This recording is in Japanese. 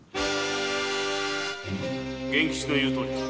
源吉の言うとおりだ。